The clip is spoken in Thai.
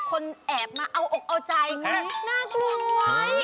คนแอบมาเอาอกเอาใจน่ากลัวไว้